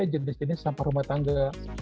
jenis jenis sampah rumah tangga